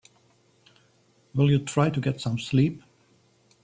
Will you try to get some sleep?